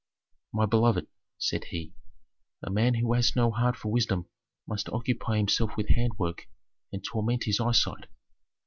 "My beloved," said he, "a man who has no heart for wisdom must occupy himself with handwork and torment his eyesight.